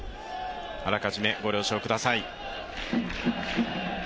あらかじめご了承ください。